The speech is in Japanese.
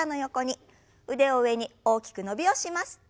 腕を上に大きく伸びをします。